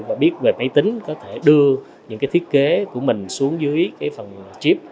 và biết về máy tính có thể đưa những cái thiết kế của mình xuống dưới cái phần chip